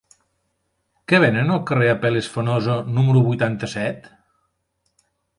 Què venen al carrer d'Apel·les Fenosa número vuitanta-set?